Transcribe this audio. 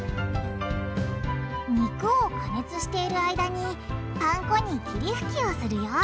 肉を加熱している間にパン粉に霧吹きをするよ。